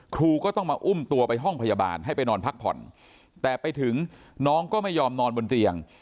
ครูก็ต้องมาอุ้มตัวไปห้องพยาบาลให้ไปนอนพักผ่อนแต่ไปถึงน้องก็ไม่ยอมนอนบนเตียง